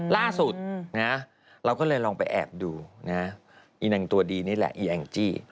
ล่าสุดนะเราก็เลยลองไปแอบดูนะอีนางตัวดีนี่แหละอีแองจี้